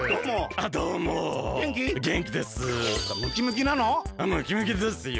あムキムキですよ。